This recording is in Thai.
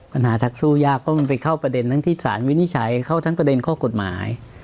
นักสู้ยากเพราะมันไปเข้าประเด็นทั้งที่สารวินิจฉัยเข้าทั้งประเด็นข้อกฎหมาย